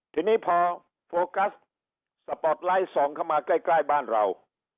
ทีนี้พอโฟกัสสปอร์ตไลท์ส่องเข้ามาใกล้บ้านเรา